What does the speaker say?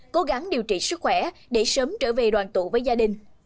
cố gắng điều trị sức khỏe để sớm trở về đoàn tụ với gia đình